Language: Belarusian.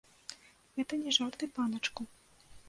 Гэта не жарты, паночку.